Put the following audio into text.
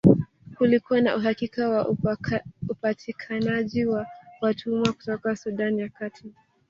Kulikuwa na uhakika wa upatikanaji wa watumwa kutoka Sudan ya Kati